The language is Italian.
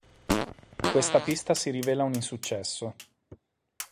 Questa pista si rivela un insuccesso.